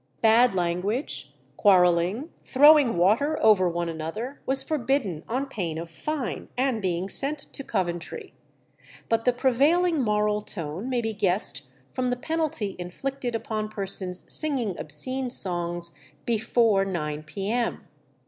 Bad language, quarrelling, throwing water over one another was forbidden on pain of fine and being sent to Coventry; but the prevailing moral tone may be guessed from the penalty inflicted upon persons singing obscene songs before nine p.m.